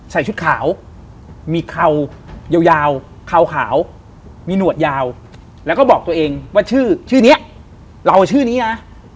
ชุดขาวมีเข่ายาวเข่าขาวมีหนวดยาวแล้วก็บอกตัวเองว่าชื่อชื่อนี้เราชื่อนี้นะ